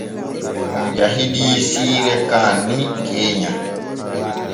On jahidii siire kaanni keenya.